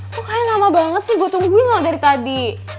kok kayaknya lama banget sih gue tungguin lo dari tadi